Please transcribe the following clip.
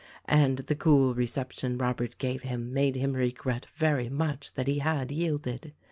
And the cool reception Robert gave him made him regret very much that he had yielded.